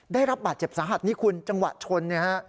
ได้รับบาดเจ็บสาหัสนี่คุณจังหวะชน